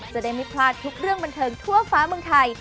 จะได้ไม่พลาดทุกเรื่องบันเทิงทั่วฟ้าเมืองไทย